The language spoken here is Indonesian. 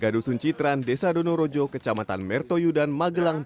tolong pak jadi ini jalur